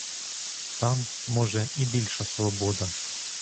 Там, може, і більша свобода.